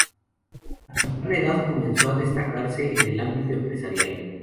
A temprana edad comenzó a destacarse en el ámbito empresarial.